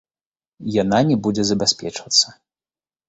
Яна не будзе забяспечвацца.